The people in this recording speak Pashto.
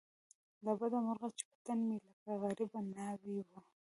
له بده مرغه چې وطن مې لکه غریبه ناوې وو.